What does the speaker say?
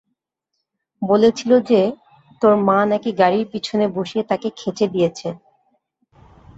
বলেছিল যে, তোর মা নাকি গাড়ির পিছনে বসিয়ে তাকে খেচে দিয়েছে।